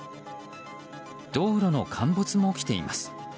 道路の陥没も起きています。